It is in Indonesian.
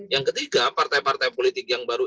yang ketiga partai partai politik yang baru